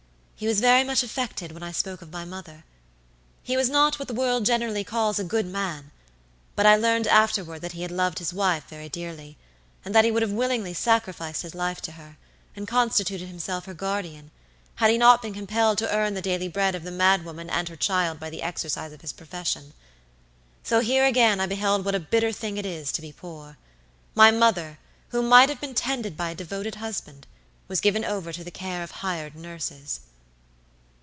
He was very much affected when I spoke of my mother. He was not what the world generally calls a good man, but I learned afterward that he had loved his wife very dearly, and that he would have willingly sacrificed his life to her, and constituted himself her guardian, had he not been compelled to earn the daily bread of the mad woman and her child by the exercise of his profession. So here again I beheld what a bitter thing it is to be poor. My mother, who might have been tended by a devoted husband, was given over to the care of hired nurses.